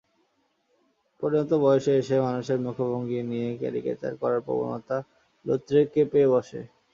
পরিণত বয়সে এসে মানুষের মুখভঙ্গি নিয়ে ক্যারিকেচার করার প্রবণতা লোত্রেককে পেয়ে বসে।